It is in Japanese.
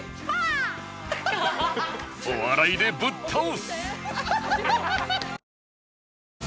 お笑いでぶっ倒す